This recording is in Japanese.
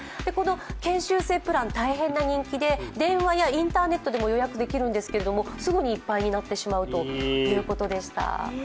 この研修生プラン、大変な人気で電話やインターネットでも予約できるんですけどすぐにいっぱいになってしまうということでした。